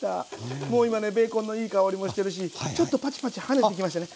もう今ねベーコンのいい香りもしてるしちょっとパチパチ跳ねてきましたね。